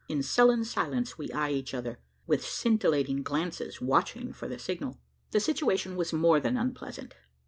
In sullen silence, we eye each other, with scintillating glances watching for the signal. The situation was more than unpleasant.